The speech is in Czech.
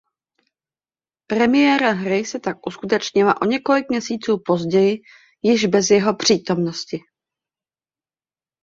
Premiéra hry se tak uskutečnila o několik měsíců později již bez jeho přítomnosti.